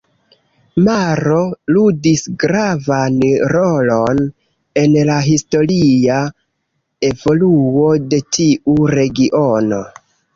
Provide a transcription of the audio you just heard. Maro ludis gravan rolon en la historia evoluo de tiu regiono.